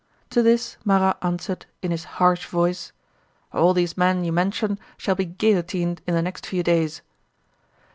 To this Marat answered, in his harsh voice: "All these men you mention shall be guillotined in the next few days!"